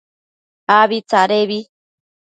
Abi tsadebi